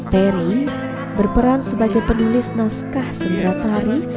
peri berperan sebagai penulis naskah sendiratari